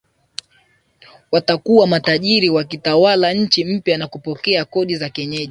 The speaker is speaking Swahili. watakuwa matajiri wakitawala nchi mpya na kupokea kodi za wenyeji